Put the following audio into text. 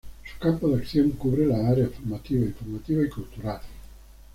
Su campo de acción cubre las áreas formativa, informativa y cultural.